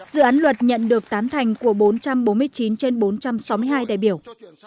dự án luật nhận được tán thành của bốn trăm bốn mươi chín trên bốn trăm sáu mươi hai đại biểu